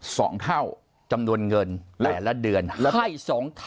สองเท่าจำนวนเงินแต่ละเดือนแล้วให้สองเท่า